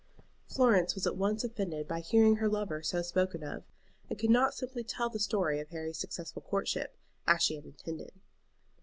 Florence was at once offended by hearing her lover so spoken of, and could not simply tell the story of Harry's successful courtship, as she had intended.